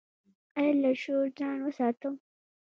ایا له شور ځان وساتم؟